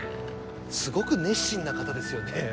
すごく熱心な方ですよね